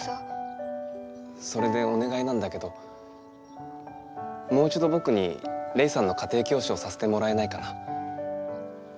それでおねがいなんだけどもういちどぼくにレイさんの家庭教師をさせてもらえないかな。